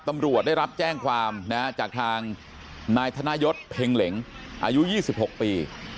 ตำรวจได้รับแจ้งความจากทางนายธนยศเพ็งเหล็งอายุ๒๖ปี